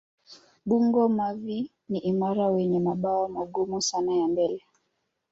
Bungo-mavi ni imara wenye mabawa magumu sana ya mbele.